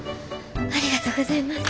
ありがとうございます。